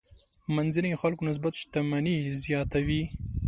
منځنيو خلکو نسبت شتمني زیاته وي.